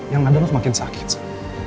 yang ada lo semakin sakit sar